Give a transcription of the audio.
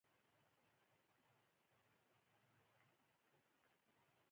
پکورې د سهر چای لپاره هم پخېږي